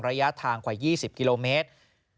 ระยะทางกว่า๒๐กิโลเมตร